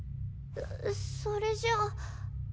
それじゃあ。